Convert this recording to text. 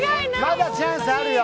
まだチャンスあるよ。